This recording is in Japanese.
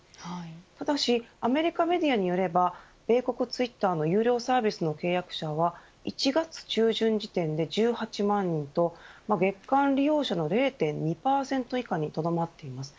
ただしアメリカメディアによれば米国ツイッターの有料サービスの契約者は１月中旬時点で１８万人と月間利用者の０．２％以下にとどまっています。